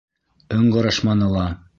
Ыңғырашманы ла.